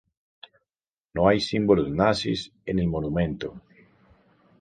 No hay símbolos nazis en el monumento.